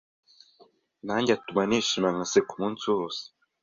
nanjye atuma nishima nkaseka umunsi wose